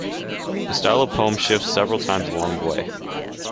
The style of the poem shifts several times along the way.